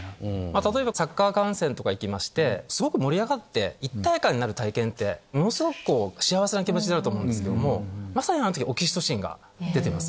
例えばサッカー観戦とか行きましてすごく盛り上がって一体感になる体験ってものすごく幸せな気持ちになると思うんですけどもまさにあの時オキシトシンが出てます。